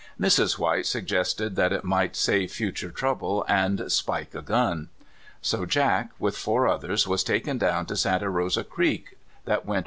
Mrs. White suggested that it might save future trouble and '' spike a gun." So Jack, with four others, was taken down to Santa Rosa Creek, that went